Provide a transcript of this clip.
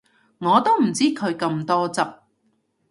我都唔知佢咁多汁